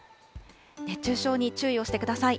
熱中症に注意をしてください。